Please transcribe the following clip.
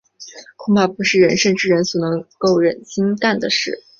恐怕不是仁圣之人所能忍心干的事。